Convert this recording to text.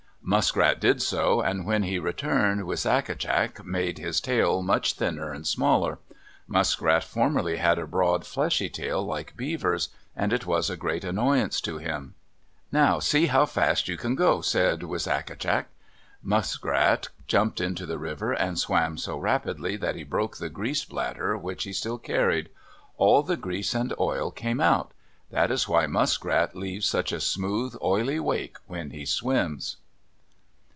Muskrat did so, and when he returned Wisagatcak made his tail much thinner and smaller. Muskrat formerly had a broad, fleshy tail like Beaver's, and it was a great annoyance to him. "Now see how fast you can go," said Wisagatcak. Muskrat jumped into the river and swam so rapidly that he broke the grease bladder which he still carried. All the grease and oil came out. That is why Muskrat leaves such a smooth, oily wake when he swims.